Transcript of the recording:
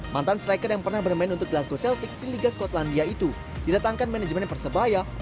mantan striker yang pernah bermain untuk glasgo celtik di liga skotlandia itu didatangkan manajemen persebaya